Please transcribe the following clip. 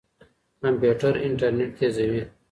کمپيوټر انټرنيټ تېزوي.